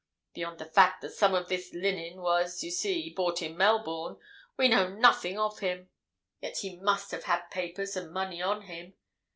Beyond the fact that some of this linen was, you see, bought in Melbourne, we know nothing of him. Yet he must have had papers and money on him.